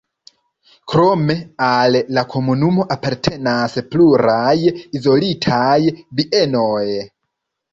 Krome al la komunumo apartenas pluraj izolitaj bienoj.